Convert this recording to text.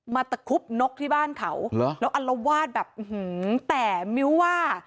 ตะครุบนกที่บ้านเขาเหรอแล้วอัลวาดแบบอื้อหือแต่มิ้วว่า